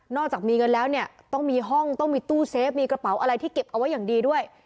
จากมีเงินแล้วเนี่ยต้องมีห้องต้องมีตู้เซฟมีกระเป๋าอะไรที่เก็บเอาไว้อย่างดีด้วย